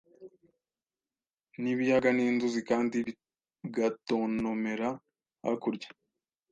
nibiyaga ninzuzi kandi bigatontomera hakurya